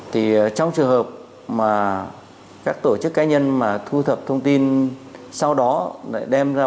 thì trong trường hợp mà các tổ chức cá nhân mà thu thập thông tin sau đó lại đem ra